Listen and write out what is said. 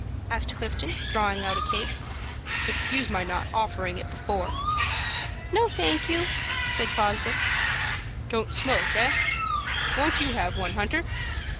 asked Clifton, drawing out a case. "Excuse my not offering it before." "No, thank you," said Fosdick. "Don't smoke, eh? Won't you have one, Hunter?"